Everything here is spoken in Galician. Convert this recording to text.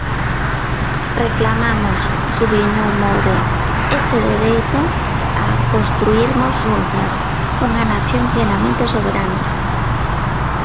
"Reclamamos" subliñou Moure, "ese dereito" a "construírmos xuntas" unha nación plenamente soberana.